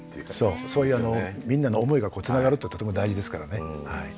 そういうあのみんなの思いがつながるってとても大事ですからね。